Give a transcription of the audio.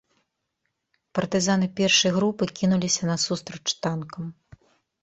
Партызаны першай групы кінуліся насустрач танкам.